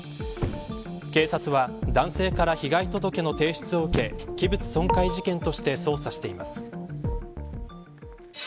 警察は男性から被害届の提出を受け器物損壊事件として捜査しています。